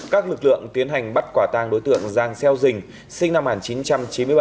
các lực lượng tiến hành bắt quả tang đối tượng giang xeo dình sinh năm một nghìn chín trăm chín mươi bảy